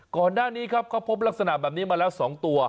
ก่อนหน้านี้ครับเขาพบลักษณะแบบนี้มาแล้ว๒ตัว